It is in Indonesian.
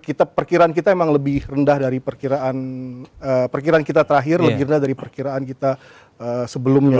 kita perkiraan kita memang lebih rendah dari perkiraan kita terakhir lebih rendah dari perkiraan kita sebelumnya